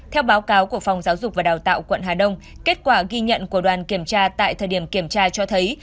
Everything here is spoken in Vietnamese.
theo báo cáo của phòng giáo dục và đào tạo quận hà đông kết quả ghi nhận của đoàn kiểm tra tại thời điểm kiểm tra cho thấy